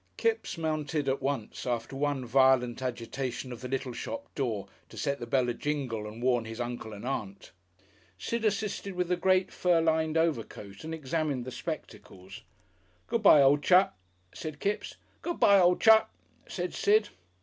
Kipps mounted at once, after one violent agitation of the little shop door to set the bell a jingle and warn his Uncle and Aunt. Sid assisted with the great furlined overcoat and examined the spectacles. "Good bye, o' chap!" said Kipps. "Good bye, o' chap!" said Sid.